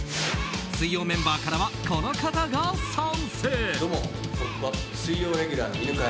水曜メンバーからはこの方が参戦。